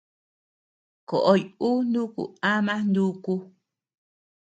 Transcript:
Koʼoy ú nuku ama núku.